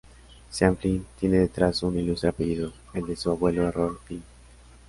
Sean Flynn tiene detrás un ilustre apellido, el de su abuelo Errol Flynn.